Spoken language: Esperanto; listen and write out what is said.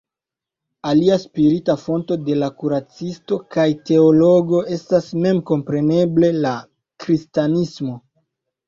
Alia spirita fonto de la kuracisto kaj teologo estas memkompreneble la kristanismo.